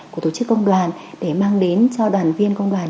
của tổ chức công đoàn để mang đến cho đoàn viên công đoàn